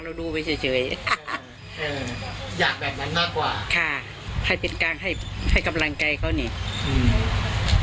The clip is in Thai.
เราดูไปเฉยเฉยอยากแบบนั้นมากกว่าค่ะให้เป็นกลางให้กำลังไกรเขานี่